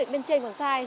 bên trên còn sai